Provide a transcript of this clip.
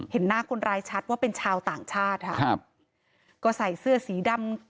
เห็นหน้าคนร้ายชัดว่าเป็นชาวต่างชาติค่ะครับก็ใส่เสื้อสีดำ